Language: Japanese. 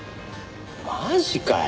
マジかよ。